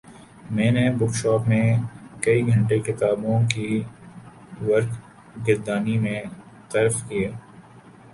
میں نے book shop میں کئی گھنٹے کتابوں کی ورق گردانی میں صرف کئے